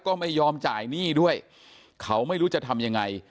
ก็ไม่ยอมจ่ายหนี้ด้วยเขาไม่รู้จะทำยังไง